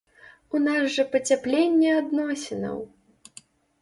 У нас жа пацяпленне адносінаў!